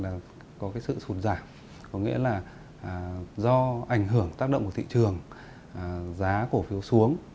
đã bị thời gian qua có sự sụn giảm có nghĩa là do ảnh hưởng tác động của thị trường giá cổ phiếu xuống